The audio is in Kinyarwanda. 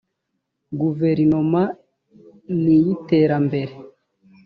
guverinoma n iy iterambere